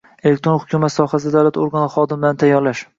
elektron hukumat sohasida davlat organlari xodimlarini tayyorlash